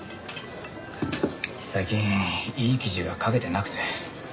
最近いい記事が書けてなくて。